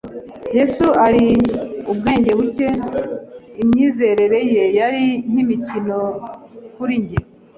Yesu ari ubwenge bucye. Imyizerere ye yari nk’imikino kuri njye.